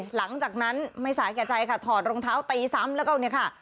หลังจากนั้นไม่สายแก่ใจค่ะถอดรองเท้าตีซ้ำแล้วก็เนี่ยค่ะ